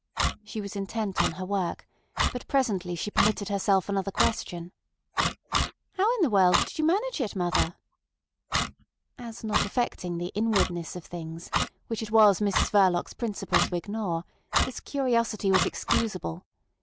She was intent on her work, but presently she permitted herself another question. "How in the world did you manage it, mother?" As not affecting the inwardness of things, which it was Mrs Verloc's principle to ignore, this curiosity was excusable.